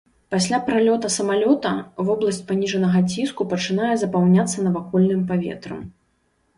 Пасля пралёта самалёта вобласць паніжанага ціску пачынае запаўняцца навакольным паветрам.